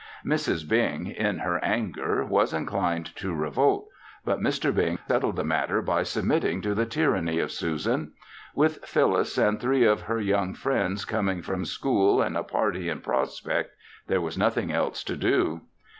Mrs. Bing, in her anger, was inclined to revolt, but Mr. Bing settled the matter by submitting to the tyranny of Susan. With Phyllis and three of her young friends coming from school and a party in prospect, there was nothing else to do.